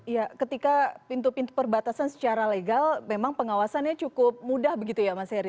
ya ketika pintu pintu perbatasan secara legal memang pengawasannya cukup mudah begitu ya mas heri